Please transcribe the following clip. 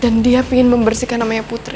dan dia pingin membersihkan namanya putri